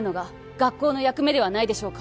学校の役目ではないでしょうか